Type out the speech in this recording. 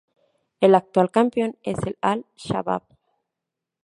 El actual campeón es el Al-Shabbab.